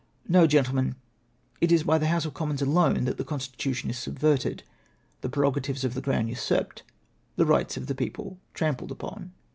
No, Grentlemen, it is by the House of Commons alone that the Constitution is subverted, the prerogatives of the Crown usurped, the rights of the people trampled upon.